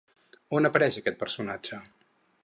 On apareix aquest personatge?